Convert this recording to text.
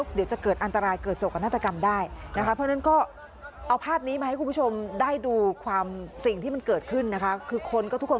คือทุกคนก็อยากจะไปร่วมสนุกกัน